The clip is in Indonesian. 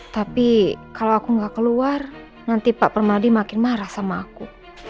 tapi kalau aku nggak keluar nanti pak permadi makin marah sama aku